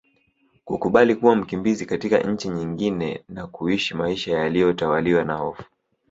Kukubali kuwa mkimbizi katika nchi nyingine na kuishi maisha yaliyo tawaliwa hofu